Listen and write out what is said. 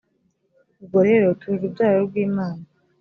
ubwo rero turi urubyaro rw imana .